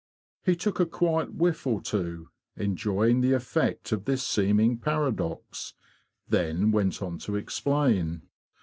He took a quiet whiff or two, enjoying the effect of this seeming paradox, then went on to explain.